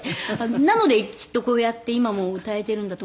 なのできっとこうやって今も歌えているんだと思います。